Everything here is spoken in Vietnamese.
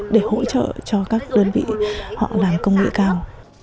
để hỗ trợ cho các đơn vị họ làm công nghệ cao